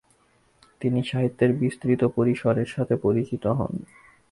তিনি সাহিত্যের বিস্তৃত পরিসরের সাথে পরিচিত হন।